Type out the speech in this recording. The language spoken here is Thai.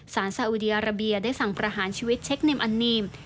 สารซาอุดีอาราเบียได้สั่งประหารชีวิตเช็คเนมอันนีม